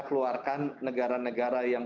keluarkan negara negara yang